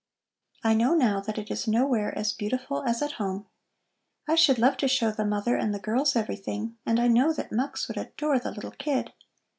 I know now that it is nowhere as beautiful as at home. I should love to show the mother and the girls everything, and I know that Mux would adore the little kid.